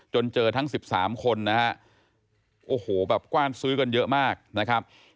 เจอทั้ง๑๓คนนะฮะโอ้โหแบบกว้านซื้อกันเยอะมากนะครับ